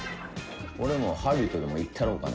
俺もハリウッドでも行ったろうかな。